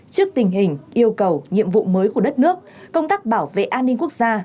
trước tình hình yêu cầu nhiệm vụ mới của đất nước công tác bảo vệ an ninh quốc gia